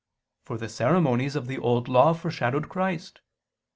For the ceremonies of the Old Law foreshadowed Christ.